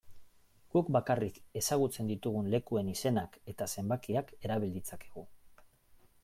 Guk bakarrik ezagutzen ditugun lekuen izenak eta zenbakiak erabil ditzakegu.